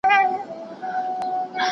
¬ مال خپل وساته، همسايه غل مه بوله.